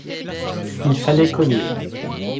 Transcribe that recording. Il fallait cogner.